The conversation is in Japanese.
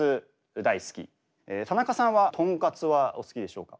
田中さんはとんかつはお好きでしょうか？